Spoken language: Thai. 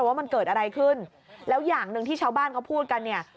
ว่ามันเกิดอะไรขึ้นแล้วอย่างหนึ่งที่ชาวบ้านเขาพูดกันเนี่ย